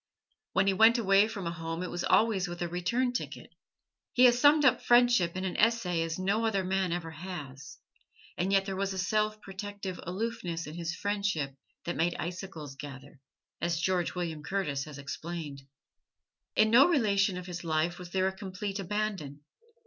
When he went away from home it was always with a return ticket. He has summed up Friendship in an essay as no other man ever has, and yet there was a self protective aloofness in his friendship that made icicles gather, as George William Curtis has explained. In no relation of his life was there a complete abandon.